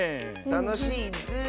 たのしいッズー。